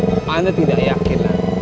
apa anda tidak yakin